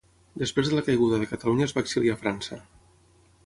Després de la caiguda de Catalunya es va exiliar a França.